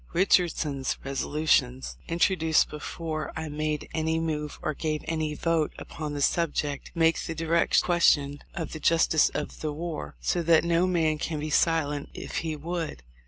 Richardson's resolutions, intro duced before I made any move or gave any vote upon the subject, make the direct question of the justice of the war ; so that no man can be silent if he would.